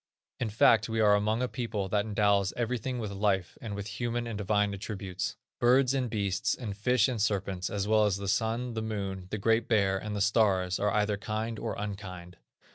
In fact we are among a people that endows everything with life, and with human and divine attributes. Birds, and beasts, and fishes, and serpents, as well as the Sun, the Moon, the Great Bear, and the stars, are either kind or unkind.